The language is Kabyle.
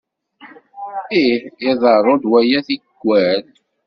Ih, iḍerru-d waya tikkal.